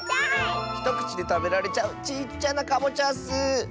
ひとくちでたべられちゃうちっちゃなかぼちゃッス！